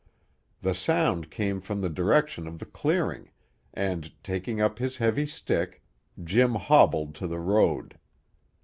The sound came from the direction of the clearing, and, taking up his heavy stick, Jim hobbled to the road.